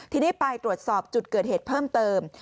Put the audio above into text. ทีนี้ไปตรวจสอบจุดเกิดเหตุเพิ่มเติม